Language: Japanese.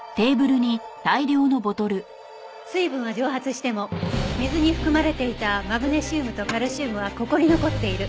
水分は蒸発しても水に含まれていたマグネシウムとカルシウムはここに残っている。